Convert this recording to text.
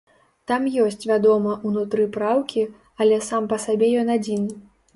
Там ёсць, вядома, унутры праўкі, але сам па сабе ён адзін.